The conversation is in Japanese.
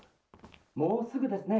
もうすぐですね。